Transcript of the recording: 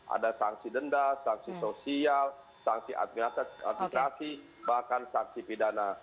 ada sanksi denda sanksi sosial sanksi administrasi bahkan sanksi pidana